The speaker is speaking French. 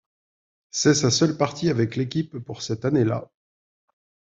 C'est sa seule partie avec l'équipe pour cette année-là.